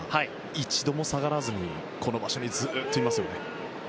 一度も下がらずにこの場所にずっといます。